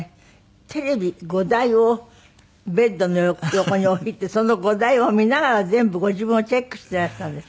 テレビ５台をベッドの横に置いてその５台を見ながら全部ご自分をチェックしていらしたんですって？